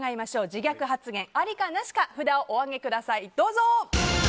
自虐発言、ありかなしか札をお上げください。